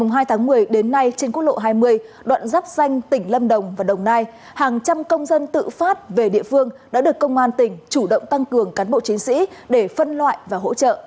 ngày hai tháng một mươi đến nay trên quốc lộ hai mươi đoạn dắp danh tỉnh lâm đồng và đồng nai hàng trăm công dân tự phát về địa phương đã được công an tỉnh chủ động tăng cường cán bộ chiến sĩ để phân loại và hỗ trợ